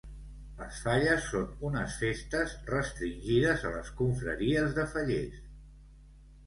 Les falles són unes festes restringides a les confraries de fallers.